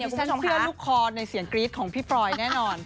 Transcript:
ฉันเชื่อลูกคอในเสียงกรี๊ดของพี่ปลอยแน่นอน